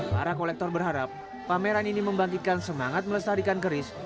para kolektor berharap pameran ini membangkitkan semangat melestarikan keris